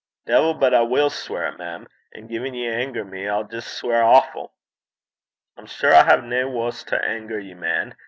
'De'il but I will sweir, mem; an' gin ye anger me, I'll jist sweir awfu'.' 'I'm sure I hae nae wuss to anger ye, man!